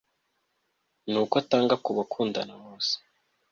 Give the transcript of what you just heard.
Ni uko atanga kubakundana bose